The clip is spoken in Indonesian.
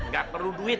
gak perlu duit